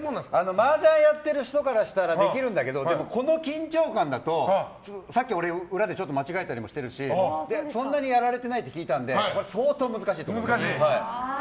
マージャンやってる人からするとできるんだけどこの緊張感の中だとさっき俺裏でちょっと間違えたりもしてるしそんなにやられてないって聞いたんで相当難しいと思います。